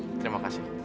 ya terima kasih